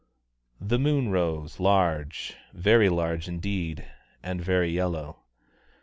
The moon rose large, very large indeed, and very yellow.